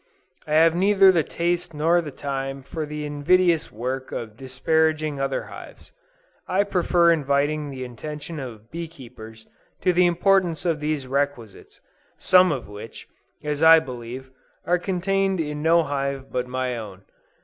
I have neither the taste nor the time for the invidious work of disparaging other hives. I prefer inviting the attention of bee keepers to the importance of these requisites; some of which, as I believe, are contained in no hive but my own.